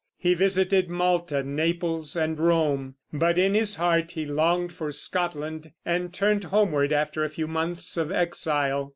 He visited Malta, Naples, and Rome; but in his heart he longed for Scotland, and turned homeward after a few months of exile.